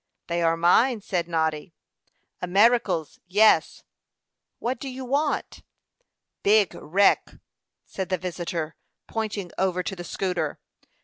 "They are mine," said Noddy. "Americals yes." "What do you want?" "Big wreck," said the visitor, pointing over to the schooner.